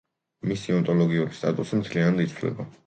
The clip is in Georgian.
მისი ონტოლოგიური სტატუსი მთლიანად იცვლება.